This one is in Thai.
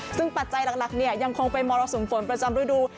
ซึ่งปัจจัยหลักเนี่ยยังคงเป็นมรสุมฝนประจำฤดู